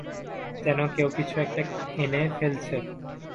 যেন কেউ কিছু একটা এনে ফেলছে।